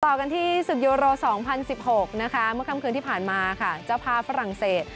ต่อกันที่ศึกโยโร๒๐๑๖นะคะเมื่อค่ำคืนที่ผ่านมาค่ะเจ้าภาพฝรั่งเศส